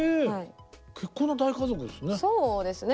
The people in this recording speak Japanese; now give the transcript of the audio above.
結構な大家族ですね。